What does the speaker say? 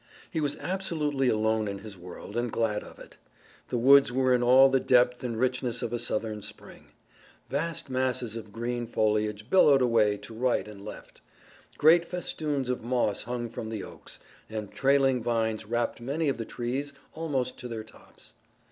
He was absolutely alone in his world, and glad of it. The woods were in all the depth and richness of a Southern spring. Vast masses of green foliage billowed away to right and left. Great festoons of moss hung from the oaks, and trailing vines wrapped many of the trees almost to their tops.